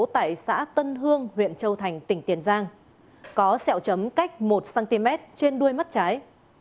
tại xã tân hương huyện châu thành tỉnh tiền giang có sẹo chấm cách một cm trên đuôi mắt trái